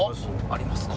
ありますか？